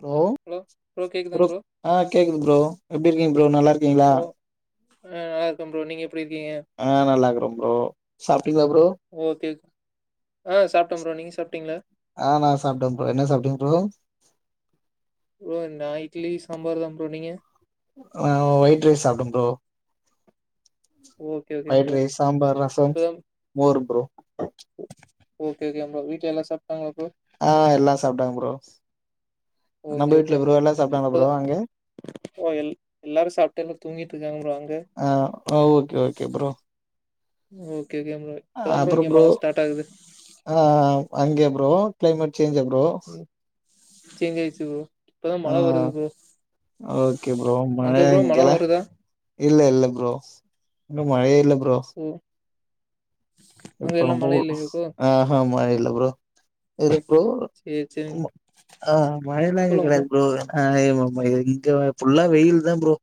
Hello bro ஆ கேக்குது bro எப்டி இருக்கீங்க ப்ரோ நல்லா இருக்கீங்களா ஓ ஆ நல்ல இருக்க ப்ரோ நீங்க எப்டி இருக்கீங்க ஆ நல்லாக்கற ப்ரோ சாப்ட்டீங்களா ப்ரோ ஓகே ஆ சாப்ட்ட ப்ரோ நீங்க சாப்ட்டீங்களா ஆ நா சாப்ட்ட ப்ரோ என்னா சாப்ட்டிங்க ப்ரோ ப்ரோ நா இட்லி சாம்பார் தா ப்ரோ நீங்க ஆ ஒயிட் ரைஸ் சாப்ட்ட ப்ரோ ஓகே ஓகேங்க white bro rice sambar rasam இப்பதான் மோர் ப்ரோ ஓகே ஓகே வீட்ல எல்லா சாப்ட்டாங்கள ப்ரோ ஆ எல்லா சாப்ட்டாங்க ப்ரோ நம்ப ஓகே வீட்ல ஓகேங்க ப்ரோ எல்லா சாப்ட்டாங்களா ப்ரோ இப்பதான் அங்க ஓ எல் எல்லாரு சாப்ட்டு எல்லாரு தூங்கிட்டு இருக்காங்க ப்ரோ அங்க ஆ okay okay bro okay okay bro இப்பதான் அப்ற இங்க ப்ரோ மழ ஸ்டார்ட் ஆகுது அங்கே ப்ரோ க்ளைமெட் சேஞ்சா ப்ரோ ம் சேஞ்ச் ஆச்சி ப்ரோ இப்பதான் மழ ஆ வருது ப்ரோ ஓகே ப்ரோ மழ அங்க ப்ரோ இங்கல்லா வருதா? இல்லல்ல ப்ரோ இன்னு மழையே இல்ல ப்ரோ ம் இப்ப நம்ப ஊர் ஆஹ மழை இல்ல ப்ரோ இது ப்ரோ சேரி சேரிங்க ஆ மழைலா இங்க சொல்லுங்க கெடையாது ப்ரோ அ மா மா இங்க ஃபுல்லா வெயில் தா ப்ரோ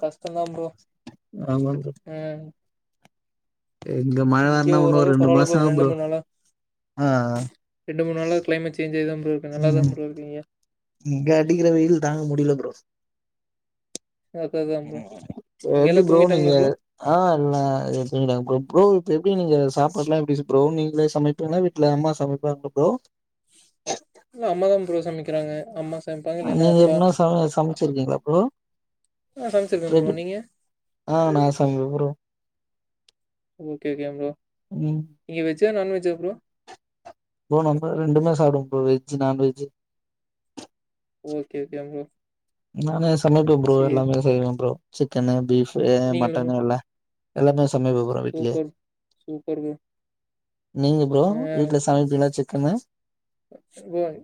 கஷ்டந்தா ப்ரோ ஆமாங்க உம் மழ இங்க வரனா உன்னு ஒரு ஓரளவுக்கு ரெண்டு பரவால்ல மாசோ ப்ரோ ஆவு ரெண்டு மூண் நாளா ஆ ரெண்டு மூணு நாளா கிளைமேட் சேஞ்சாதா ப்ரோ இருக்கு நல்லாதா ம் ப்ரோ இருக்கு இங்க இங்க அடிக்கிற வெயில் தாங்க முடியல ப்ரோ எங்க அக்கா தான் ப்ரோ அங்க எல்லா எப்டி ப்ரோ தூங்கிட்டாங்களா நீங்க ஆ எல்ல ப்ரோ இப்ப எப்டி நீங்க சாப்பாடு எல்லா எப்டி ப்ரோ நீங்களே சமைப் பீங்கலா வீட்ல அம்மா சமைப்பாங்கலா ப்ரோ இல்ல அம்மா தா ப்ரோ சமைக்கிறாங்க அம்மா சமைப்பாங்க இல்லன்னா நீங்க அப்பா எப்பன்னா சம சமச்சிருக்கீங்களா ப்ரோ நா சமைச்சிருக்கேன் ப்ரோ ட்ரெடு நீங்க ஆ நா சமைப்ப ப்ரோ ஓகே ஓகே ப்ரோ ம் நீங்க வெஜ்ஜா நான்வெஜ்ஜா ப்ரோ ப்ரோ நம்ப ரெண்டுமே சாப்டுவ bro veg non veg okay okay bro நானு சமைப்ப ப்ரோ சேரி எல்லாமே செய்வ ப்ரோ சிக்கனு பீஃப்பு நீங்களா ப்ரோ மட்டனு எல்லா எல்லாமே சமைப்ப ப்ரோ வீட்லே சூப்பர் சூப்பர் ப்ரோ நீங்க ப்ரோ ஆ வீட்டுல சமைப்பீங்களா சிக்கனு குரான்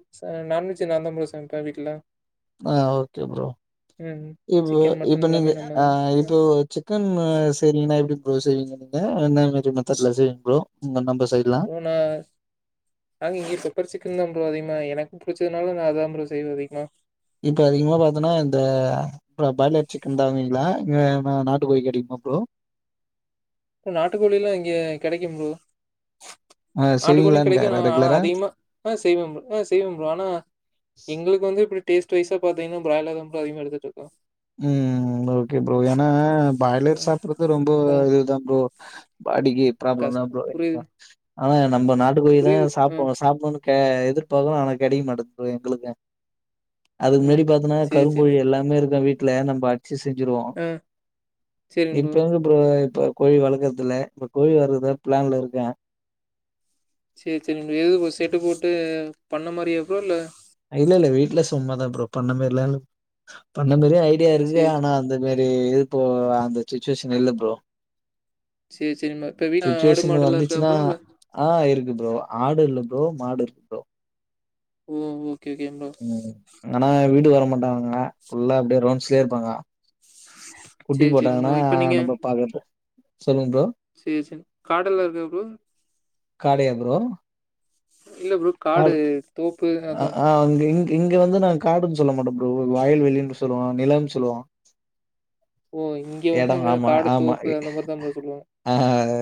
நான்வெஜ்ஜு நான்தா ப்ரோ சமைப்ப வீட்ல ஆ ஓகே ப்ரோ ம் இப்ப சிக்கன் மட்டன் இப்ப நீங்க எல்லாமே நம்ம ஆ தான் அ இப்ப சிக் சிக்கன் செய்றீங்கன்னா எப்டி ப்ரோ செய்வீங்க நீங்க என்ன மாரி மெத்தட்ல செய்வீங்க ப்ரோ நம்ம சைட்லா உன நாங்க இங்க பெப்பர் சிக்கன் தா ப்ரோ அதிகமா எனக்கு புடிச்சதுனால நா அதா ப்ரோ செய்வ அதிகமா இப்ப அதிகமா பாத்தனா இந்த அப்புற பாய்லர் சிக்கன் தா வாங்வீங்களா இங்க நாட்டு கோழி கெடைக்குமா ப்ரோ நாட்டுக்கோழி எல்லா இங்க கெடைக்கு ப்ரோ ஆ நாட்டுக்கோழியு செய்வீங்களான்னு கெடைக்கு கேக்குறே ஆ ஆனா ரெகுலரா அதிகமா ஆ செய்வ ஆ செய்வ ப்ரோ ஆனா எங்களுக்கு வந்து இப்டி டேஸ்ட் வாய்ஸா பாத்தீங்கனா பிராய்லர் தா ப்ரோ அதிகமா எடுத்துட்டு இருக்கோ ம் ஓகே ப்ரோ ஏனா பிராய்லர் ஆ சாப்ட்றது ரொம்ப ம் இதுதா ப்ரோ பாடிக்கு ப்ராப்ளம் கஷ் தா ப்ரோ புரியுது ஆனா நம்ம நாட்டு கோழி தா புரியுது ப்ரோ ம் சாப்புன்னு சாப்புன்னு க எதிர்பாக்குறோ ஆனா கெடைக்க மாட்டேங்கிது ப்ரோ எங்களுக்கு அதுக்கு ம் முன்னாடி பாத்தன்னா சேரி சேரி கருங்கோழி எல்லாமே இருக்க வீட்டுல நம்ம அ டிச்சு செஞ்சிருவோம் ஆ சேரிங் ப்ரோ எப்பயாது அப்புறம் இப்ப கோழி வளர்க்குறது இல்ல இப்ப கோழி வளர்க்கறதுல பிளான்ல இருக்க சேரி சேரி எது செட்டு போட்டு பண்ண மாதிரியா ப்ரோ இல்ல இல்ல இல்ல வீட்ல சும்மாதா ப்ரோ பண்ண மாதிரிலா இல்ல பண்ண மாதிரியும் ஐடியா இருக்கு சேரி ஆனா அந்த இதுமாரி இதுப்போ அந்த சுச்சுவேஷன் இல்ல ப்ரோ சேரி சேரிம்மா இப்ப வீடு ஆடு சுச்சுவேஷன் மாடெல்லா இருக்கா வந்துச்சுன்னா ப்ரோ இல்ல ஆ இருக்கு ப்ரோ ஆடு இல்ல ப்ரோ மாடு இருக்கு ப்ரோ ம் ம் ஓகே ஓகே ப்ரோ ஆனா வீட்டுக்கு வர மாட்டாங்க ஃபுல்லா அப்டியே ரவுண்ட்ஸ்லே இருப்பாங்க குட்டி சேரி சேரிங் ப்ரோ போட்டாங்கன்னா இப்ப நீங்க நம்ம பாக்குறது சொல்லுங்க ப்ரோ சேரி சேரி காடு எல்லா இருக்கா ப்ரோ காலியா ப்ரோ இல்ல ப்ரோ காடு தோப்பு அ அதா ஆ அங்க இங்க இங்க வந்து நாங்க காடுன் சொல்ல மாட்டோ ப்ரோ வயல்வெளினு சொல்லுவோ நிலம்னு சொல்லுவோ ஓ இங்க எடோ வந்து ஆமா காடு ஆமா தோப்பு அந்த மாரிதா ப்ரோ சொல்லுவாங் ஆ ஆ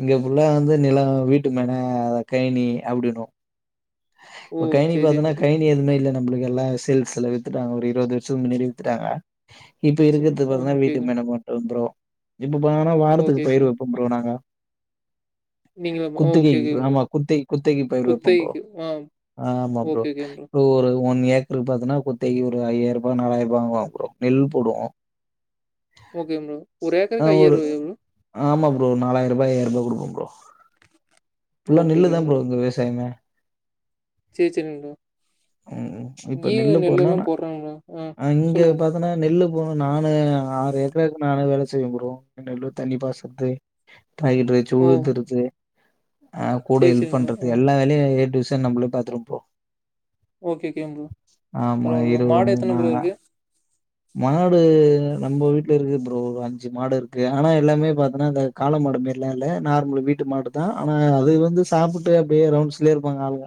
இங்க ஃபுல்லா வந்து நிலோ வீட்டுமன அத கைனி அப்டினுவோ ஓ! இப்ப கைனி சரி, பாத்தோனா சரி. கைனி எதுமே இல்ல நம்ளுக்கு எல்லா சேல்ஸ்ல வித்துட்டாங்க ஒரு இருவது வருஷத்துக் முன்னடியே வித்துட்டாங்க இப்ப சும் இருக்றது ஆ பாத்தீங்ன்னா ஓகே, வீட்டுக்கு ஓகே. மென மட்டு ப்ரோ இப்ப பாத்தேனா ஓகே, வாரத்துக்கு ஓகே. பயிர் வைப்போ ப்ரோ நாங்க நீங்களா ப்ரோ? ஓகே, குத்தகைக்கு ஓகே ப்ரோ. ஆமா குத்தை குத்தைக் பயிர் வைப்போ ப்ரோ குத்தகைக்கு. ஆ ஆமா ப்ரோ ஓகே, ஓகே ஒரு ஒன் ஏக்கர் பாத்தோனா குத்தைக்கு ஒரு ஐய்யாயிரூபா நாலாயிரூபா வாங்குவாங் ப்ரோ நெல் போடுவோ [inaudible] ஓகேங் ப்ரோ ஒரு ஆ ஏக்கருக்கு ஒரு ஐயாயிரூவாயா ப்ரோ ஆமா ப்ரோ நாலாயிரூபா ஐயாயிரூபா குடுப்போ ப்ரோ ஃபுல்லா ஓகே, நெல்லு ஓகே தா ப்ரோ இங்க விவசாயமே சேர் சேரிங் ப்ரோ ம் இப்ப ஏ நெல்லு நெல்லெல்லா போடுறாங் ப்ரோ ஆ சொல்லுங்க ஏனா நெல்லு போனு நானு ஆறு ஏக்கருக்கு நானே வேல செய்வே ப்ரோ நெல்லு தண்ணி பாசுறது [unintelligible] ஓ! இருக்கு ஆ கூட சரி, ஹெல்ப் சரிங்க ப்ரோ. ஆ பண்றதுக்கு எல்லா வேலையு ஏ டு இசட் நம்மளே பாத்துருவோ ப்ரோ ஓகே, ஓகே ப்ரோ. ஆமா பரவால்ல ப்ரோ. இரவு மாடு எத்தன ப்ரோ மூனாக இருக்கு? மாடு நம்ப வீட்ல இருக்கு ப்ரோ அஞ்சு மாடு இருக்கு ஆனா எல்லாமே பாத்தோனா அந்த காளமாடு மாரிலா இல்ல நார்மல் வீட்டு மாட் தா ஆனா அது வந்து சாப்புட்டு அப்டியே ரவுண்ட்ஸ்லயே இருப்பாங்க ஆளுங்க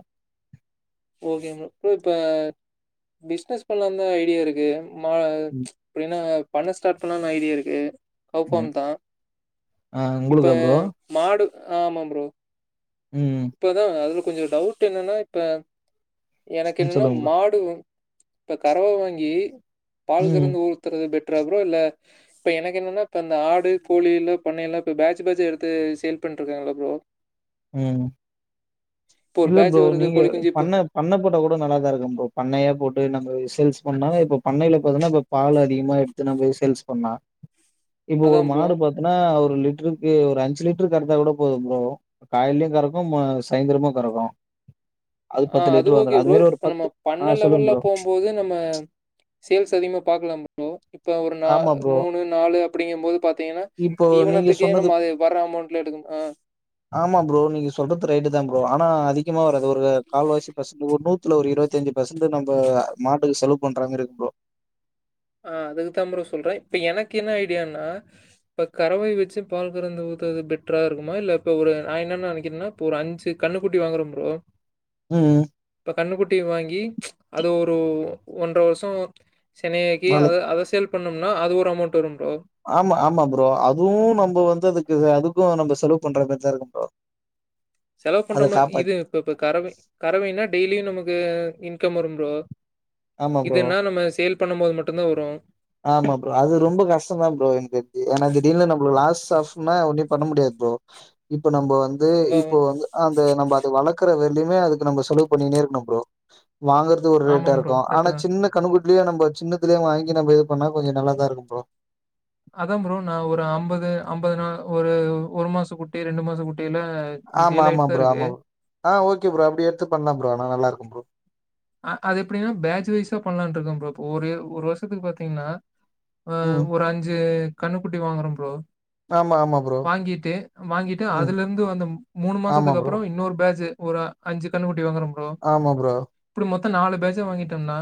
ஓகே ப்ரோ இப்ப பிஸ்னஸ் பண்லாந்தா ஐடியா இருக்கு மா ம் அப்டின்னா பண்ண ஸ்டார்ட் பண்லானு ஐடியா இருக்கு கௌ ஃபார்ம் ம் ஆ தாஇப்ப உங்களுக்கா ப்ரோ மாடு ஆமா ப்ரோ ம் இப்போதா அது கொஞ்சோ டவுட் என்னன்னா இப்ப எனக் ம் என்னன்னா சொல்லுங்க மாடு இப்ப கறவ வாங்கி ப்ரோ பால் ம் கறந்து ஊத்துறது பெட்ரா ப்ரோ இல்ல இப்போ எனக்கு என்னென்னா இப்போ அந்த ஆடு கோழில்ல பண்ணைல்லா இப்போ பேட்ஜ் பேட்ஜா எடுத்து சேல் பண்ட்ருக்காங்ளா ப்ரோ ம் இப்போ ஒரு இல்ல பேட்ச் ப்ரோ வருது நீங்க கோழி குஞ்சு இப்ப பண்ண பண்ண போட்ட கூட நல்லாத தா இருக்கு ப்ரோ பண்ணையா போட்டு நம்ப சேல்ஸ் பண்ணா இப்போ பண்ணையில பாத்தீன்னா இப்ப பால் அதிகமா எடுத்து நம்ப சேல்ஸ் பண்லா இப்ப ஒரு அதான் ப்ரோ. மாடு பாத் ஏன்னா ஒரு லிட்ருக்கு ஒரு அஞ்சு லிட்ரு கறந்தா கூட போது ப்ரோ காலேயு கறக்கு ம சாய்ந்துரமு கறக்கு ஆ பத்து அது லிட்டரு ஓகே வந்துரு ப்ரோ மாரி ஒரு இப்ப நம்ம பத்து ஆ பண்ண சொல்லுங்க லெவல்ல ப்ரோ போம்போது நம்ம சேல்ஸ் அதிகமா பாக்லா ப்ரோ இப்ப ஒரு நா ஆமா ப்ரோ மூனு நாளு அப்டிங்க போது பாத்தீங்கன்னா இப்போ நீங்க தீவனத்துக்கே சொன்னது நம்ம அது வர அமௌண்ட்ல எடுக்னு ஆ ஆமா ப்ரோ நீங்க சொல்றது ரைட்டு தா ப்ரோ ஆனா அதிகமா வராது ஒரு கால்வாசி ஃபர்ஸ்டு ஒரு நூத்துல ஒரு இருவத்திஞ்சி பர்சண்ட்டு நம்ப மாட்டுக்கு செலவு பண்ற மாறி இருக்கு ப்ரோ ஆ அதுக்குதா ப்ரோ சொல்ற இப்ப எனக்கு என்ன ஐடியான்னா இப்போ கறவை வெச்சு பால் கறந்து ஊத்துறது பெட்ரா இருக்குமா இல்ல இப்போ ஒரு நா என்ன நனைக்கிறேன்னா இப்போ ஒரு அஞ்சு கன்னு குட்டி வாங்குறே ப்ரோ ம் இப்போ கன்னுக்குட்டி வாங்கி அது ஒரு ஒன்ற வருஷோ செனையாக் க்கி நாளு அத அத சேல் பண்ணும்னா அது ஒரு அமௌண்ட் வரு ப்ரோ ஆமா ஆமா ப்ரோ அதுவும் நம்ம வந்து அதுக்கு அதுக்கும் நம்ம செலவு பண்ற மாறி தா இருக்கு ப்ரோ செலவு பண்ற அத மாரி காப்பாத் இது இப்ப இப்ப கறவை கறவைனா டெய்லியு நமக்கு இன்கம் வரும் ப்ரோ ஆமா ப்ரோ இதன்னா நம்ம சேல் பண்ணும் போது மட்டுதா வரும் ஆமா ப்ரோ அது ரொம்ப கஷ்டோதா ப்ரோ எனக் தெரிஞ்சி ஏன்னா திடீர்னு நம்ம லாஸ்ட் ஆஃப்னா ஒன்னு பண்ண முடியாது ப்ரோ இப்ப நம்ம வந்து அதான் இப்போ வந்து அந்த நம்ம அத வளர்க்கற வரலையுமே அதுக்கு நம்ம செலவு பண்ணினே இருக்கணு ப்ரோ வாங்கற து ஒரு ரேட்டா ஆமாம் ப்ரோ. இருக்கோ கரெக்ட்டு ஆனா தான். சின்ன கன்னுகுட்டிலயே நம்ம சின்னத்தலய வாங்கி நம்ம இது பண்ணா கொஞ்சம் நல்லாதா இருக்கோ ப்ரோ அதா ப்ரோ நா ஒரு அம்பது அம்பது நாள் ஒரு ஒரு மாசோ குட்டி ரெண்டு மாசோ குட்டியில ஆமா சேல் ஆமா ஆயிட்டு தான் ப்ரோ இருக்கு. ஆமா ப்ரோ ஆ ஓகே ப்ரோ அப்டி எடுத்து பண்ணலா ப்ரோ ஆனா நல்லா இருக்கோ ப்ரோ ஆ அது எப்டின்னா பேஜ் வைஸா பண்ணலானு இருக்க ப்ரோ இப்ப ஒரு ஒரு வருஷத்துக்கு பாத்தீங்கன்னா வ ம் ஒரு அஞ்சு கன்னுக்குட்டி வாங்குறோ ப்ரோ ஆமா ஆமா ப்ரோ வாங்கிட்டு வாங்கிட்டு ம் அதுல இருந்து வந்த மூணு ஆமா மாசத்துக்கு ப்ரோ அப்பறோ இன்னொரு பேஜ் ஒரு அஞ்சு கன்னு குட்டி வாங்குற ப்ரோ ஆமா ப்ரோ இப்டி மொத்தோ நாலு பெட்ச் ஆ வாங்கிட்டோம்னா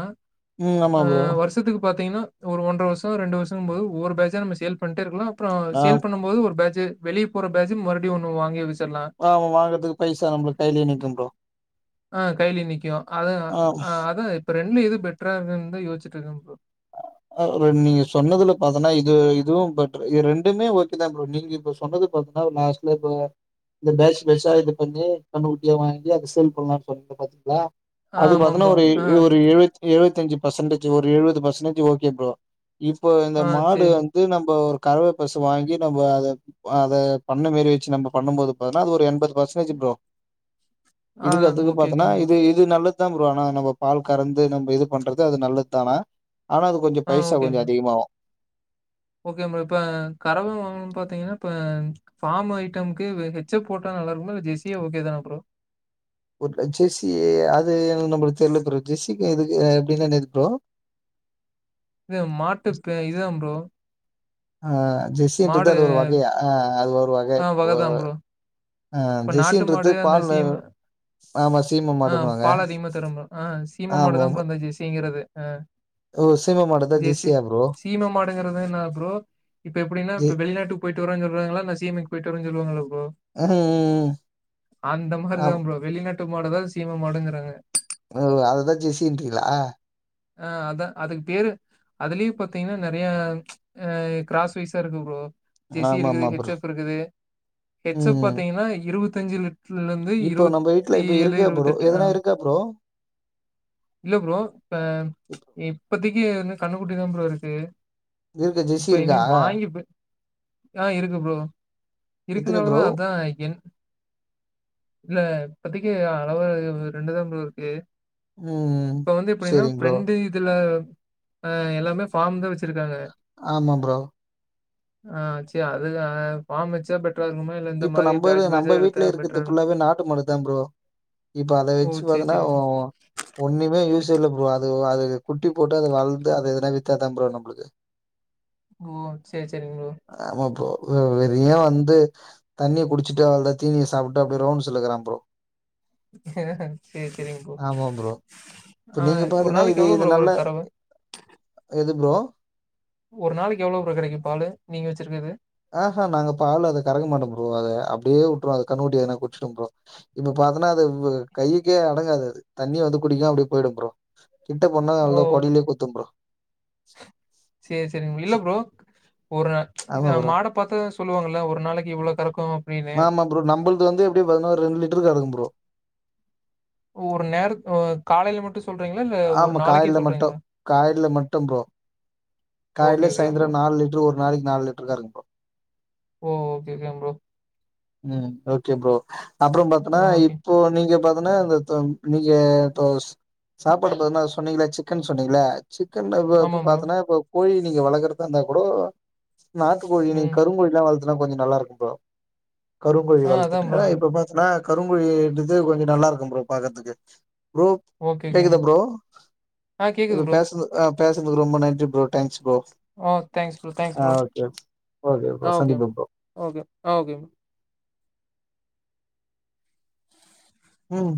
ம் ஆமா ஆ ப்ரோ வருஷ் த்துக்கு பாத்திங்கனா ஒரு ஒன்ற வருஷோ ரெண்டு வருஷன்னு போது ஒரு பேட்ச் ஆ நம்ம சேல் பண்ணிட்டே இருக்கலா அப்புறோ ஆ சேல் பண்ணும் போது ஒரு பேட்ச் வெளியே போற பேட்ச் மறுபடி ஒன்னு வாங்கி வச்சிட்லா ஆமா வாங்கறதுக்கு பைசா நம்மளுக்கு கையிலே நிக்கும் ப்ரோ ஆ கையிலியே நிக்கோ அதுதா ஆ அது இப்ப ரெண்டுல எது பெட்ரா இருக்குன்னு தா யோசிச்சிட்டு இருக்க ப்ரோ ஆ நீங்க சொன்னதுல பாத்தன்னா இது இதுவும் பெட்டர் இது ரெண்டுமே ஓகே தா ப்ரோ நீங்க இப்ப சொன்னது பாத் ஆ லாஸ்ட் ஃளோர் ப்ரோ இந்த பேட்ச் பேட்சா இது பண்ணி கண்ணுக்குட்டியா வாங்கி அத சேல் பண்ணலாம்னு சொன்னீங்க பாத்தீங்களா ஆ அது ஆமா பாத்தன்னா ப்ரோ. ஒரு ஆ, ஒரு எழுவத்தி எழுபத்தி அஞ்சு பர்சன்டேஜ் ஒரு எழுவது பர்சன்டேஜ் ஓகே ப்ரோ இப்போ இந்த ஆ மாடு சரிங் இது நம்போ ஒரு கறவை பசு வாங்கி நம்ம அத அத பண்ண மாரி வச்சு நம்ம பண்ணும்போது பான்னா அது ஒரு எண்பது பர்சன்டேஜ் ப்ரோ ஆ இதுக்கு அதுக்கு ஓகே, பாத்தன்னா ஓகேங்க ப்ரோ. இது இ து நல்லதுதா ப்ரோ ஆனா நம்ம பால் கறந்து நம்ம இது பண்றது அது நல்லது தான ஆனா அது கொஞ்ச ஆ பைசா ஓகேங்க கொஞ்ச ப்ரோ. அதிகமாவு ஓகே ப்ரோ இப்ப கறவ வாங்குன்னனு பாத்தீங்கன்னா இப்ப பார்ம் ஐட்டம்க்கு ஹெச்ச போட்டா நல்லா இருக்குமா இல்ல ஜெஸியா ஓகே தானே ப்ரோ ஒரு ஜெர்சி அது நம்மளுக்கு தெர்ல ப்ரோ ஜெர்சிக்கு எதுக்கு எப்டின்னா என்னாது ப்ரோ இது மாட்டு பே இதுதா ப்ரோ அ ஜெஸின்றது மாடு அது ஒரு வகையா அ அது ஒரு வக ஆ அப்போ வகை தான் ப்ரோ. அ இப்ப நாட்டு ஜெசின்றது மாடு அந்த பால்லே சீம ஆ பால் அதிகமா தரும் ப்ரோ ஆ சீம ஆமா மாடுதா அந்த ஜெஸ்சசீங்கிறது அ ஓ சீம மாடுதா ஜெஸ்சி ஜெர்சியா ப்ரோ சீம மாடுங்கறதுனா என்ன ப்ரோ இப்ப எப்டின்னா ஜெ இப்ப வெளிநாட்டு போயிட்டு வரன் சொல்லுவாங்களா இல்ல சீமைக்கு போய்ட்டு வரனு சொல்லுவாங்கள ப்ரோ ம் ம் அந்த மாரிதா ஆம் ப்ரோ வெளிநாட்டு மாடுதா சீமா மாடுங்குறாங்க ஓ அததான் ஜெசின்றீங்களா ஆ அதான் அதுக்கு பேரு அதுலயும் பாத்தீங்கன்னா நிறைய ஆ கிராஸ் வைஸா இருக்கு ப்ரோ ஜெசி ஆமா இருக்குது ஆமா ஹெச் ப்ரோ எப் இருக்குது ஹெச் எப் ம் பாத்தீங்கன்னா இருபத்தஞ்சு ல இப்போ நம்ம வீட்டுல இப்ப இருக்கா ப்ரோ இருவத்தெட்டு ஆ எதனா இருக்கா ப்ரோ இல்ல ப்ரோ இப்ப இப்பத்தைக்கு வந்து கண்ணுக்குட்டி தான் ப்ரோ இருக்கு இருக்கு ஜெஸி இப்ப இருக்கா? இனி வாங்கி போ ஆ இருக்கு ப்ரோ எத்தினி ப்ரோ? இருக்குனாலதான் அதான் என் இல்ல இப்பத்தக்கு அளவா ரெண்டுதான் ப்ரோ இருக்கு ம். இப்ப வந்து எப்படின்னா சரிங்க ப்ரோ. பிரெண்டு இத்துல எல்லாமே ஃபார்ம் தா வெச்சிருக்காங்க ஆமா ப்ரோ ஆ ச் அது ஃபாம் வச்சா பெட்றா இருக்கும இப்ப நம்ம இது நம் இப்ப வீடல இருக்கிறது புள்ளாவே நாட்டு மாட்டுதான் ப்ரோ இப்ப அதை ஓ! வச்சு சரி, பாத்தன்னா சரிங்க. ஒண்ணுமே யூஸ் இல்ல ப்ரோ அது அது குட்டி போட்டு அது வளந்து அதை எதனா வித்தாதான் ப்ரோ நம்பளுக்கு ஓ செரி செரிங்க ப்ரோ ஆமா ப்ரோ வெறிய வந்து தண்ணிய குச்சிட்டு் அவ்ளோதான் தீனிய சாப்டுட்டு அப்படியே ரவுண்டுல்ல இருக்குறான் ப்ரோ ஆ செரி செரிங்க ப்ரோ ஆமா ப்ரோ. இப்ப ஆ நீங்க ஒரு பாத்தீங்கன்னா இது நாளைக்கு எவ்வளவு இது ப்ரோ நல்ல வரும் தரவு எது ப்ரோ ஒரு நாளைக்கு எவ்ளோ ப்ரோ கிடைக்கும் பாலு நீங்க வெச்சிருக்குது ஆஹ்ஹா நாங்க பால அத கறங்க மாட்டோம் ப்ரோ அத அப்படியே விட்டுரும்வோம் அது கண்ணுகுட்டி எதன குடிச்சிடும் ப்ரோ இப்ப பாத்தன்னா அது கைக்கே அடங்காது தண்ணியே வந்து குடிக்காம அப்படியே போயிடும் ப்ரோ கிட்ட போணா அளோதான் கொடல்லியே குத்தும் ப்ரோ செரி செரிங்க இல்ல ப்ரோ ஒரு ஆமா ப்ரோ. மாட பாத்தாத சொல்லுவாங்களல்ல ஒரு நாளைக்கு இவ்வளோ கறக்கும் அப்படின்னு. ஆமா ப்ரோ நம்பளுது வந்து எப்படி பாத்தன ஒரு ரெண்டு லிட்டர் கரக்கும் ப்ரோ ஒரு நேர காலையில மட்டும் சொல்றீங்களா? இல்ல ஒரு ஆமா நாளைக்கே காய்ல மட்டும் சொல்றீங்களா? காய்ல மட்டும் ப்ரோ ஓகே, காய்லே ஓகே ப்ரோ. சாய்ந்தரம் நாலு லிட்டரு ஒரு நாளைக்கு நாலு லிட்டரு கறக்கும் ப்ரோ ஓ ஓகே ஓகேங்க ப்ரோ ம் ஓகே ப்ரோ அப்புறம் பாத்திங்கனா ஓகே. இப்போ நீங்க பாத்தனா இந்த இப்ப நீங்க இப்ப சாப்பாடு போதுன சொன்னீங்கள சிக்கன் சொன்னீங்களே சிக்கன் இப் ஆமா இப்ப ப்ரோ. பாத்தன்னா இப்ப கோழி நீங்க வளக்கறதா இருந்தா கூட நாட்டு கோழி நீ ம். கருங்கோழி எல்லாம் வளத்துனா கொஞ்சம் நல்லா இருக்கும் ப்ரோ கருங்கோழி ஆ அதான் ப்ரோ. வளத்துட்டே இப்ப பாத்தன்னா கருங்கோழி டிசைன் கொஞ்சம் நல்லா இருக்கும் ப்ரோ பாக்கறதுக்கு ப்ரோ ஓகே, ஓகே கேக்குதா ப்ரோ ஆ கேக்குது இப்ப ப்ரோ. பேசறது ஆ பேசுனதுக்கு ரொம்ப நன்றி ப்ரோ தேங்க்ஸ் ப்ரோ ஆ தேங்க்ஸ் ப்ரோ, தேங்க்ஸ் ஆ ப்ரோ. ஓகே ஓகே ப்ரோ சந்திபோம் ப்ரோ ஓகே ஓகே ம் ம்